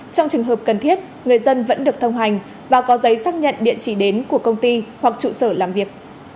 trong trường hợp cần thiết người dân vẫn được thông hành và có giấy xác nhận địa chỉ đến của công ty hoặc trụ sở làm việc